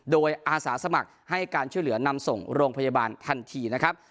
โดยอาสาสมัครให้การช่วยเหลือนำส่งโรงพยาบาลทันทีนะครับ